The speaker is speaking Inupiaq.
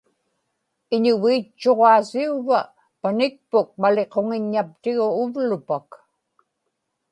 iñugiitchuq aasiuvva panikpuk maliquŋiññaptigu uvlupak